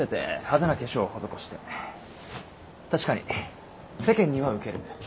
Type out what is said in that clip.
確かに世間には受ける。